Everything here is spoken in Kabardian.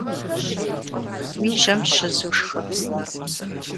Уи жьэм щызу шхы.